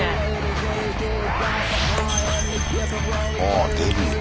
あデビュー。